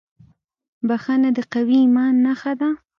• بښنه د قوي ایمان نښه ده.